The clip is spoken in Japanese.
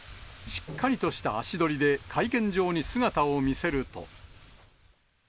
しっかりとした足取りで会見場に姿を見せると。